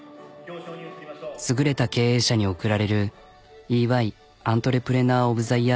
優れた経営者に贈られるＥＹアントレプレナ―・オブ・ザ・イヤ―・